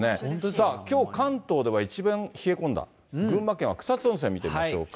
さあ、きょう、関東では一番冷え込んだ、群馬県は草津温泉見てみましょうか。